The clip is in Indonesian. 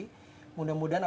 mudah mudahan apabila bisa